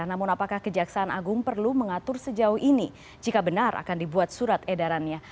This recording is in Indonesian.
namun apakah kejaksaan agung perlu mengatur sejauh ini jika benar akan dibuat surat edarannya